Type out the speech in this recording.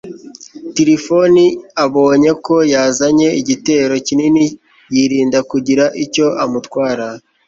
tirifoni abonye ko yazanye igitero kinini, yirinda kugira icyo amutwara